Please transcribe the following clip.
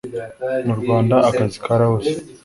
mu rwanda akazi karabuze